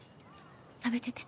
食べてて。